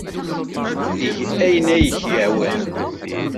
Eg ayen ay ak-yehwan!